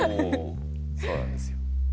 そうなんですようん。